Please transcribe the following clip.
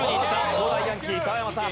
東大ヤンキー澤山さん。